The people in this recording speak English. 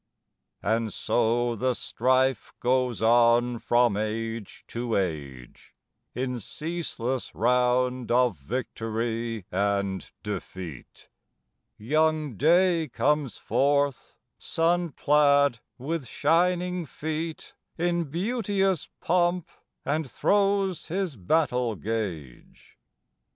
And so the strife goes on from age to age, In ceaseless round of victory and defeat: Young Day comes forth, sun clad, with shining feet, In beauteous pomp, and throws his battle gage.